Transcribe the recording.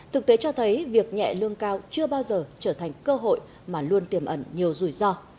thực tế cho thấy việc nhẹ lương cao chưa bao giờ trở thành cơ hội mà luôn tiềm ẩn nhiều rủi ro